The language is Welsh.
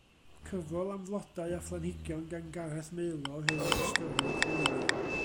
Cyfrol am flodau a phlanhigion gan Gareth Maelor yw Ystyriwch y Lili.